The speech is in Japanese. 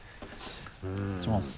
失礼します。